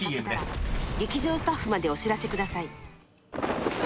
「劇場スタッフまでお知らせください」